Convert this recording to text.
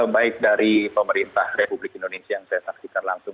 baik dari pemerintah republik indonesia yang saya saksikan langsung